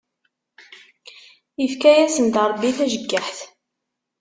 Ifka yasen-d Ṛebbi tajeggaḥt.